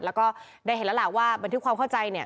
แล้วก็ได้เห็นแล้วล่ะว่าบันทึกความเข้าใจเนี่ย